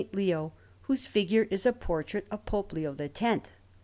Leo, whose figure is a portrait of Pope Leo X.